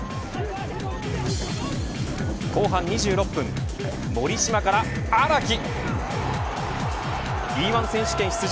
後半２６分森島から荒木。